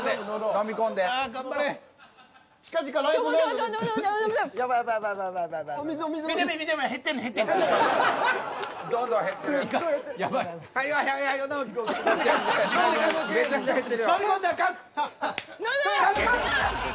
飲み込んだ！